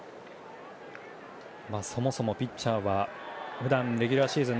そもそもピッチャーは普段、レギュラーシーズン